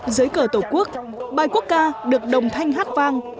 dưới cờ tổ quốc bài quốc ca được đồng thanh hát vang